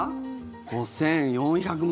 ５４００万。